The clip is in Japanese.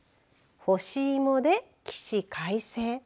干しいもで起死回生？